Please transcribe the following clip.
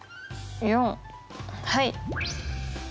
はい。